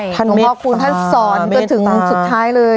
ขอบคุณท่านสอนก็ถึงสุดท้ายเลย